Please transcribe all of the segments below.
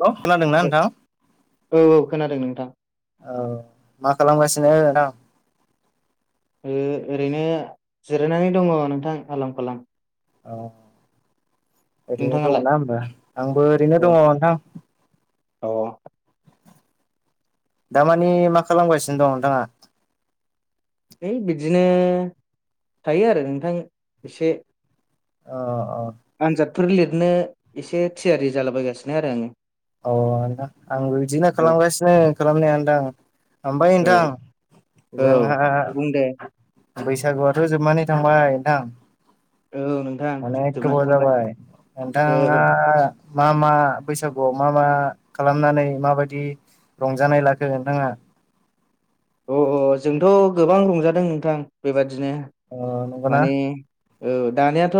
हेल' खोनादोंना औ नोंथां औ खोनादों नोंथां औ मा खालामगासिनो नोंथां आरो ओरैनो जिरायनानै दङ नोंथां आरां फालां औ ओरैनो नोंथाङालाय दङना होमबा आंबो ओरैनो अ दङ नोंथां दामानि मा खालामगासिनो दं नोंथाङा है बिदिनो थायो आरो नोंथां एसे अ अ आनजादफोर लिरनो एसे थियारि जालाबायगासिनो आरो आङो अ आंबो बिदिनो खालामगासिनो खालामनाया नोंथां ओमफ्राय औ नोंथां औ जोंहा बुं दे बैसागुआथ' जोबनानै थांबाय नोंथां औ नोंथां अनेख जोबनानै थांबाय बजाबाय नोंथाङा औ मा मा बैसागु आव मा मा खालामनानै माबायदि रंजानाय लाखो नोंथाङा अ औ जोंथ' गोबां रंजादों नोंथां बेबादिनो अ नंगौना माने औ दानियाथ'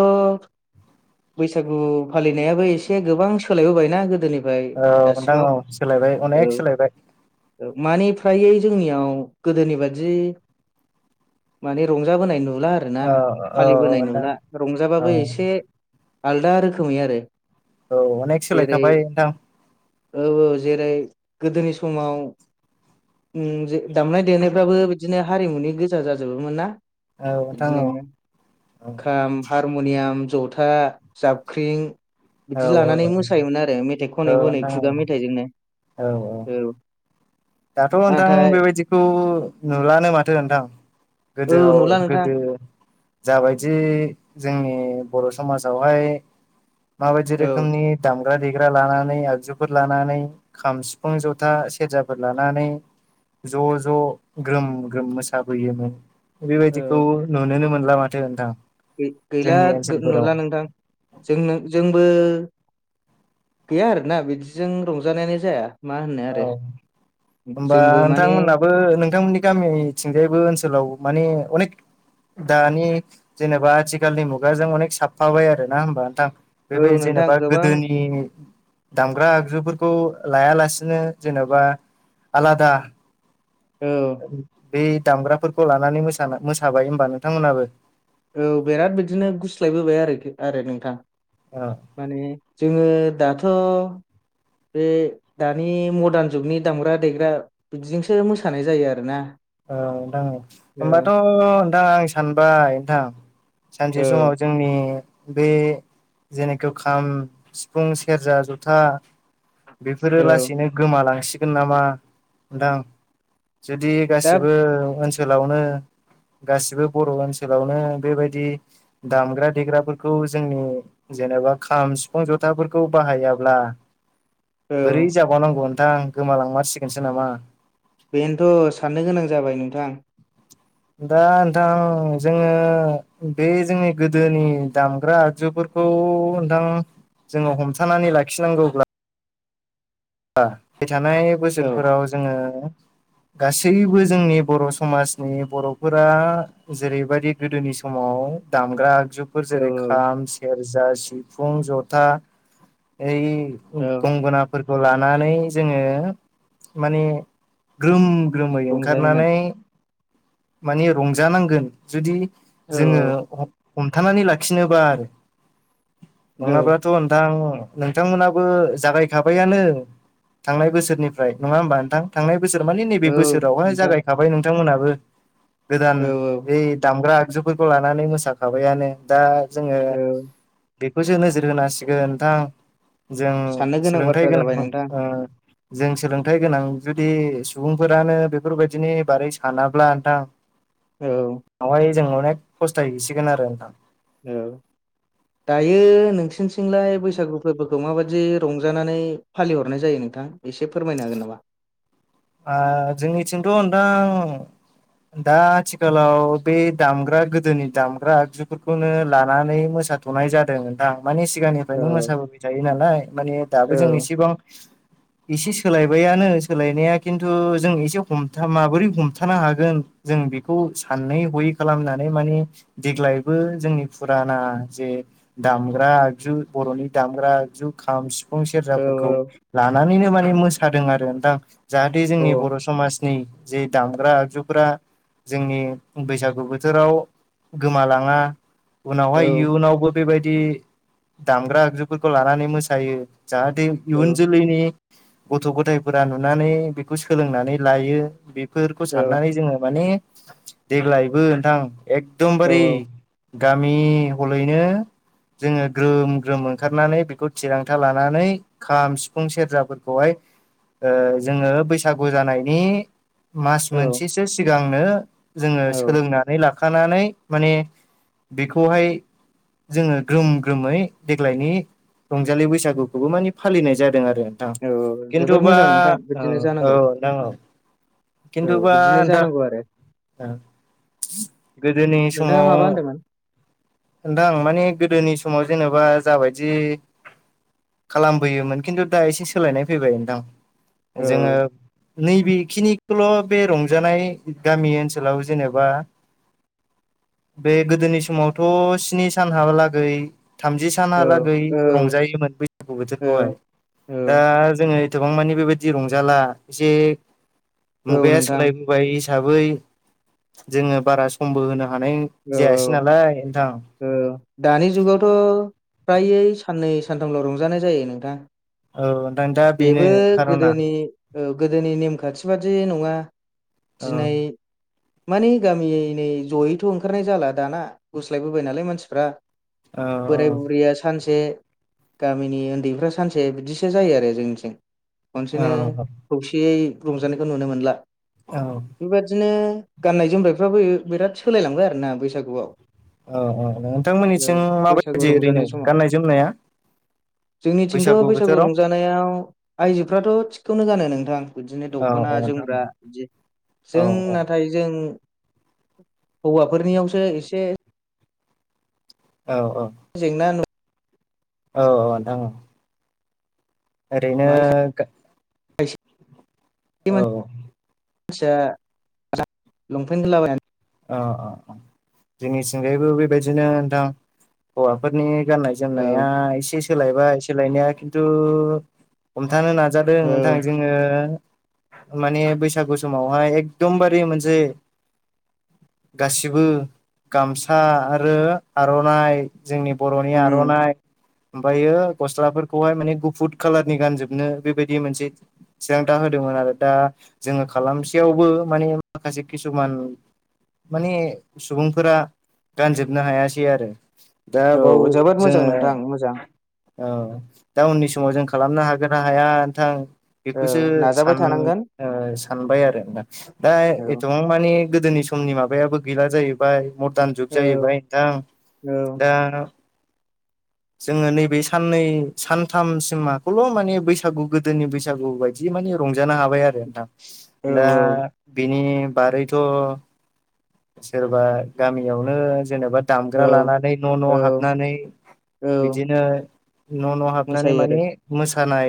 बैसागु फालिनायाबो एसे गोबां सोलायबोबायना गोदोनि फ्राय औ नोंथां दासिमाव औ सोलायबाय अनेक सोलायबाय औ मानि फ्राय जोंनियाव गोदोनि बादि माने रंजाबोनाय नु नुला आरोना औ औ फालिबोनाय नोंथां नुला औ रंजाबाबो एसे आलदा रोखोमै आरो औ अनेख जेरै सोलायखाबाय नोंथां औ औ जेरै गोदोनि समाव दामनाय देनायफ्राबो बिदिनो हारिमुनि गोजा जाजोबोमोन ना औ नोंथां औ बिदिनो खाम हारमुनियाम जथा जाबख्रिं बिदि औ लानानै औ मोसायोमोन आरो मेथाइ औ खनै खनै नोंथां औ खुगा मेथाइजोंनो औ दाथ' नोंथां नाथाय बेबायदिखौ नुलानो माथो नोंथां औ गोदोआव नुला नोंथां गोदो जाबायदि जोंनि बर' समाजावहाय माबायदि औ रोखोमनि दाम ग्रा देग्रा लानानै आगजुफोर लानानै खाम सिफुं जथा सेरजा फोर लानानै ज' ज' ग्रोम ग्रोम मोसाबोयोमोन। बेबायदिखौ औ नुनोनो मोनला माथो नोंथां गैला जोंनि ओनसोलफोराव नुला नोंथां जों जोंबो गैया आरोना बिदिजों रंजानायानो जाया। मा होनो औ आरो होमबा जोंबो माने नोंथांमोनहाबो नोंथांमोननि गामिथिंजायबो ओनसोलाव माने अनेक दानि जेनेबा आथिखालनि मुगाजों अनेक साबफाबाय आरो ना होमबाा नोंथां औ बेबायदि नोंथां जेनेबा गोबां गोदोनि दामग्रा आगजुफोरखौ लायालासे बिदिनो जेन'बा आलादा औ बे दामग्राफोरखौ लानानै मोसा मोसाबाय होमबा नोंथांमोनहाबो औ बिराद बिदिनो गुस्लायबोबाय आरोखि आरो नोंथां औ माने जोङो दाथ' बे दानि मडार्न जुगनि दामग्रा देग्रा बिदिजोंसो मोसानाय जायो आरोना औ नोंथां होमबाथ' औ नोंथां आं सानबाय नोंथां औ सानसे समाव जोंनि बे जेेखि खाम सिफुं सेरजा जथा बेफोरो औ लासैनो गोमालांसिगोन नामा नोंथां जुदि दा गासिबो ओनसोलावनो गासिबो बर' ओनसोलावनो बेबायदि दामग्रा देग्राफोरखौ जोंनि जेनेबा खाम सिफुं जथाफोरखौ बाहायाब्ला औ बोरै जाबावनांगौ नोंथां गोमालांमारसिगोनसो नामा बेनोथ' साननो गोनां जाबाय नोंथां दा नोंथां जोङो बे जोंनि गोदोनि दामग्रा आगजुफोरखौ खौ नोंथां जोङो हमथानानै लाखिनांगौब्ला फैबाय थानाय औ बोसोरफोराव जोङो गासैबो जोंनि बर' समाजनि बर'फोरा जेरैबायदि गोदोनि समाव दामग्रा आगजुफोर औ जेरै खाम सेरजा सिफुं जथा ओइ औ गंगोनाफोरखौ लानानै जोङो माने ग्रोम ग्रोमै रंजायोमोन ओंखारनानै माने रंजानांगोन जुदि औ जोङो। हमथानानै लाखिनोबा आरो औ नङाबाथ' नोंथां नोंथांमोनाबो जागायखाबायानो थांनाय बोसोरनिफ्राय नङा होमबा नोंथां थांनाय। बोसोर माने नैबे औ बोसोरावहाय नोंथां जागायखाबाय नोंथांमोनाबो गोदान औ औ यै दामग्रा आगजुफोरखौ लानानै मोसाखाबायानो दा जोङो। औ बेखौसो नोजोर होनांसिगोन नोंथां जों साननो सोलोंथाइ बाथ्रा गोनां जाबाय नोंथां ओ। जों सोलोंथाइ गोनां जुदि सुबुंफोरानो बेफोरबायदिनि बारै सानाब्ला। नोंथां औ। बेवहाय जों अनेख फसथाय हैसिगोन आरो नोंथां। औ दायो नोंसिनिथिंलाय बैसागु फोरबोखौ माबायदि रंजानानै फालिहरनाय जायो नों नोंथां एसे फोरमायनो हागोन नामा? ओ जोंनिथिंथ' नोंथां। दा आथिखालाव बे दामग्रा गोदोनि दामग्रा आगजुफोरखौनो लानानै मोजां। मोसाथ'नाय जादों नोंथां। मानि सिगांनिफ्रायनो औ मोसाबोबाय थायो नालाय माने औ दाबो जों एसेबां। एसे सोलायबायानो सोलायनाया खिन्थु जों एसे हमथा माबोरै हमथानो हागोन जों बेखौ सानै हयै खालामनानै माने देग्लायबो जोंनि फुराना जे दामग्रा आगजु बर'नि दामग्रा आगजु खाम सिफुं औ सेरजाफोरखौ लानानैनो माने मोसादों आरो नोंथां जाहाथे औ जोंनि बर' समाजनि जे दामग्रा आगजुफ्रा। जोंनि बैसागु बोथोराव गोमालाङा औ उनावहाय इयुनावबो बेबायदि दामग्रा आगजुफोरखौ लानानै मोसायो। जाहाथे औ इयुन जोलैनि गथ' गथायफोरा नु नानै बेखौ सोलोंनानै लायो बेफोरखौ साननानै जोङो माने देग्लायबो नोंथां औ एकदमबारि गामि हलैनो जोङो ग्रोम ग्रोम ओंखारनानै बेखौ थिरांथा लानानै खाम सिफुं सेरजाफोरखौहाय। [unintelligible] ओ जोङो बैसागु जानायनि मास औ मोनसेसो सिगांनो जोङो औ सोलोंनानै लाखानानै माने बेखौहाय जोङो ग्रोम ग्रोमै देग्लायनि रंजालि बैसागुखौबो माने फालिनाय जादों आरो नोंथां औ जोबोर खिन्थुबा मोजां नोंथां ओ बिदिनो ओ जानांगौ औ औ खिन्थुबा बिदिनो जानांगौ आरो नोंथां गोदोनि नोंथाङा समाव माबा होनदोंमोन नोंथां माने गोदोनि समाव जेनेबा जाबायदि खालामबोयोमोन खिन्थु दा एसे सोलायनाय फैबाय नोंथां औ जोङो नैबेखिनिखौल' बे रंजानाय गामि ओनसोलाव जेनेबा बे गोदोनि समावथ' स्नि सान हाबालागै। थामजि औ सानाहालागै औ रंजायोमोन बैसागु औ बोथोरखौहाय दा औ जोङो गोबां मानिे बेबायदि रंजाला एसे औ मुगाया नोंथां सोलायबोय हिसाबै जोङो बारा समबो होनो हा औ औ औ दानि जुगावथ' फ्रायै साननै सानथामल' रंजानाय जायो नोंथां। औ नोंथां दा बेनो बेबो खार'ना गोदोनि औ गोदोनि नेमखान्थि बादि नङा औ दिनै माने गामि नै जयैथ' ओंखारनाय जाला दाना गुस्लायबोबाय नालाय मानसिफ्रा औ बोराय बुरैया सानसे गामिनि उन्दैफ्रा सानसे बिदिसो जायो आरो जोंंनिथिं खनसेनो खौसेयै रंजानायखौ नुनो मोनला। औ बेबादिनो गाननाय जोमनायफ्राबो बिराद सोलायलांबाय आरोना बैसागुआव औ औ औ नोंथांमोननिथिं बैसागु माबायदि ओरैनो रंजानाय समाव गाननाय जोमनाया जोंनिथिंथ' बैसागु रंजानायाव आयजोफ्राथ' थिगखौनो गानो नोंथां बिदिनो औ औ दख'ना नोंथां जोमग्रा बिदि औ जों औ नाथाय जों हौवाफोरनियावसो एसे औ औ जेंना नु औ औ नोंथां औ ओरैनो आ [unintelligible] औ मानसिया लंपेन्ट गानलाबायनानै ओ जोंनिथिंगायैबो बेबायदिनो नोंथां हौवाफोरनि गाननाय औ जोमनाया एसे सोलायबाय सोलायनाया खिन्थु हम थानो नाजादों नोंथां औ जोङो माने बैसागु समावहाय एकदमबारे मोनसे गासिबो गामसा आरो आर'नाइ जोंनि बर'नि उम आर'नाइ ओमफ्रायो गस्लाफोरखौहाय माने गुफुर कालारनि गानजोबनो बेबायदि मोनसे थिरांथा होदोंमोन आरो दा जोङो खालामसेयावबो माने माखासे किसुमान माने सुबुंफोरा गानजोबनो हायासै आरो दा औ बाव जोबोद मोजां जोङो नोंथां मोजां दा उननिस समाव जों खालामनो हागोन ना हाया नोंथां औ बेखौसो नाजाबाय सान थानांगोन ओ सानबाय आरो दा औ एथबां मानि गोदोनि समनि माबायाबो गैला जाहैबाय मरदान जुग औ जाहैबाय नोंथां औ दा जोङो नैबे साननै सानथामसिमाखौल' माने बैसागु गोदोनि बैसागु बायदि माने रंजानो हाबाय आरो दा बिनि बागै थ' सोरबा गामियावनो जेनेबा औ दामग्रा लानानै न' न' हाबनानै औ बिदिनो न' न' हाबनानै मोसायो आरो माने मोसानाय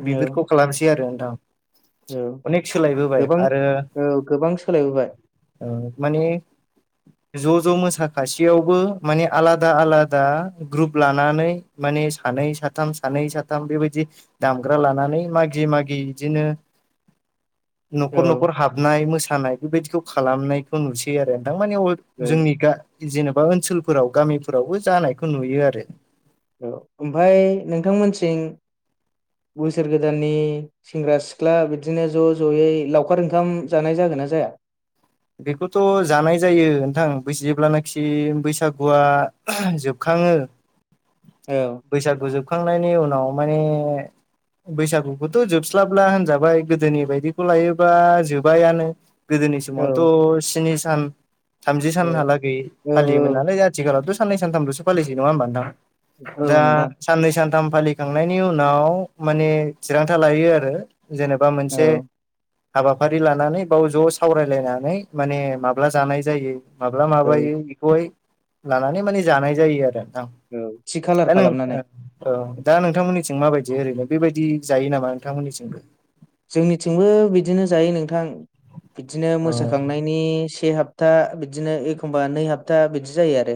औ बिफोरखौ खालामसै आरो नोंथां औ अनेक सोलायबोबाय गोबां आरो औ गोबां सोलायबोबाय औ माने ज' ज' मोसाखायसेयावबो माने आलादा आलादा ग्रुप लानानै माने मे सानै साथाम सानै साथाम बेबायदि दामग्रा लानानै मागि मागि बिदिनो न'खर औ न'खर हाबनाय मोसानाय बेबायदिखौ खालामनायखौ नुसै आरो माने औ जोंनि जेनेबा ओनसोलफोराव गामिफोरावबो जानायखौ नुयो आरो औ ओमफाय नोंथांमोनथिं [inaudible] बोसोर गोदाननि सेंग्रा सिख्ला बिदिनो ज' ज'यै लावखार ओंखाम जानाय जागोन ना जाया [unintelligible] बेखौथ' जानाय जायो नोंथां बै जेब्लानाखि बैसागुआ जोबखां खाङो औ बैसागु जोबखांनायनि उनाव माने बैसागुखौथ' जोबस्लाबब्ला होनजाबाय गोदोनि बायदिखौ लायोबा जोबायानो गोदोनि समावथ' औ स्नि सान थामजि औ सानहालागै औ फालियोमोन नालाय आथिखालावथ' साननै सानथामल'सो फालिसै नङा होमबा नोंथां औ दा नोंथां साननै सानथाम साथाम फालिखांनायनि उनाव माने थिरांथा लायो आरो जेनेबा औ मोनसे हाबाफारि लानानै बाव ज' सावरायलायनानै माने माब्ला जानाय जायो माब्ला औ माबायो बेखौहाय लानानै माने जानाय जायो आरो औ खालार ना खालामनानै [unintelligible] दा नोंथांमोननिसिं माबायदि ओरैनो बेबायदि जायो नामा नोंथांमोननिसिंबो जोंनिथिंबो बिदिनो जायो नोंथां बिदिनो अ मोसाखांनायनि से हाब हपथा बिदिनो एखमबा नै हाब्था बिदि जायो आरो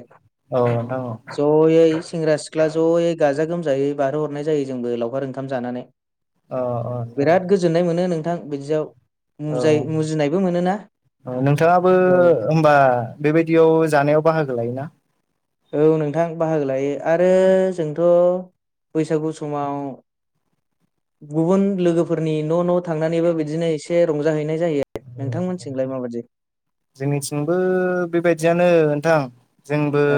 औ नोंथां औ जयै सेंग्रा सिख्ला ज'यै गाजा गोमजायै बारहोहरनाय जायो जोंबो लावखार ओंखाम जानानै अ अ नोंथां औ नोनो मोनो नोंथां बिदियाव मोजिनायबो मोनो नोंथाङाबो होमबा बेबायदियाव जानायाव बाहागो लायोना औ नोंथां बाहागो लायो आरो जोंथ' बैसागु समाव गुबुन लोगोफोरनि न' न' थांनानैबो बिदिनो एसे रंजाहैनाय जायो नोंथांमोनसिंमलाय माबायदि जोंनिथिंबो बेबायदियानो नोंथां जोंबो औ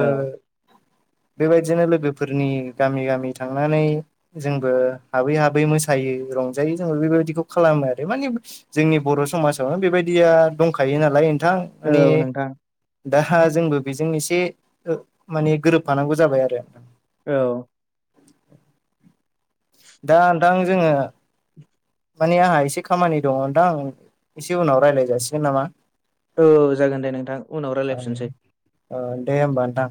बेबायदिनो लोगोफोरनि गामि गामि थांनानै जोंबो हाबै हाबै मोसायो रंजायो जों बेबायदिखौ खालामो आरो माने जोंनि बर' समाजावनो बेबायदिया दंखायो नालाय बिथां माने औ नोंथां दा जोंबो बेजों एसे माने गोरोब फानांगौ जाबाय आरो औ दा नोंथां जोङो माने आंहा एसे खामानि दङ दां आं एसे उनाव राय्लाय जासिगोन नामा औ जागोन दे नोंथां उनाव राय्लायफिननोसै अ दे होमबा नोंथां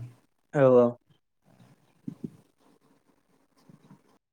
औ औ